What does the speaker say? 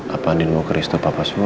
apa andien mau ke restoran papa surya